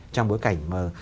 trong bối cảnh mà